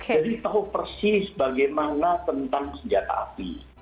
jadi tahu persis bagaimana tentang senjata api